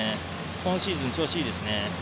今シーズン、調子がいいですね。